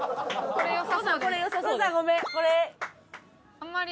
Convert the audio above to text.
あんまり。